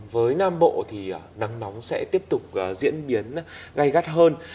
với nam bộ thì nắng nóng sẽ tiếp tục diễn biến gai gắt hơn